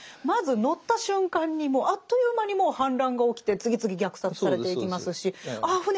まず乗った瞬間にもうあっという間にもう反乱が起きて次々虐殺されていきますしああ